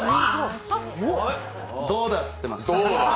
どうだって言ってます。